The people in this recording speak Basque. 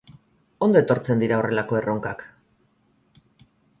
Ondo etortzen dira horrelako erronkak.